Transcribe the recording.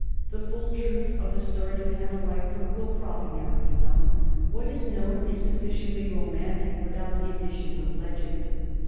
The full truth of the story of Hannah Lightfoot will probably never be known. What is known is sufficiently romantic without the additions of legend.